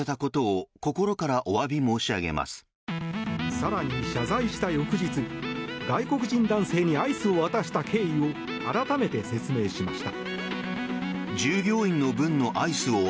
更に、謝罪した翌日外国人男性にアイスを渡した経緯を改めて説明しました。